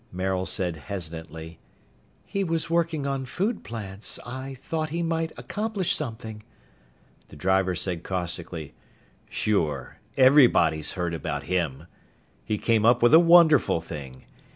Maril said hesitantly, "He was working on food plants. I thought he might accomplish something...." The driver said caustically, "Sure! Everybody's heard about him! He came up with a wonderful thing!